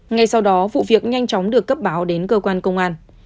ngay sau đó vụ việc nhanh chóng được cấp báo đến cơ quan công an